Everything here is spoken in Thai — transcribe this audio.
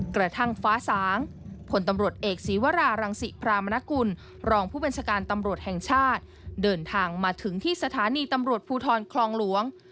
กระทั่งฟ้าสางผลตำรวจเอกศีวรารังศิพรามนกุลรองผู้บัญชาการตำรวจแห่งชาติเดินทางมาถึงที่สถานีตำรวจภูทรคลองหลวง